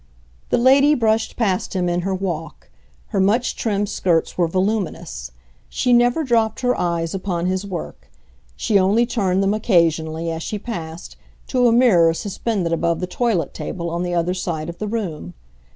The lady brushed past him in her walk; her much trimmed skirts were voluminous. She never dropped her eyes upon his work; she only turned them, occasionally, as she passed, to a mirror suspended above the toilet table on the other side of the room.